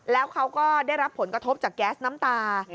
แล้วเขาก็ได้รับผลกระทบจากแก๊สน้ำตา